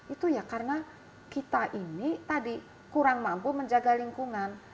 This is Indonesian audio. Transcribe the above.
itu ya karena kita ini tadi kurang mampu menjaga lingkungan